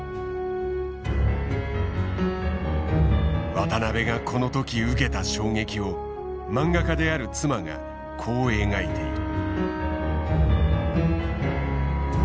渡辺がこの時受けた衝撃を漫画家である妻がこう描いている。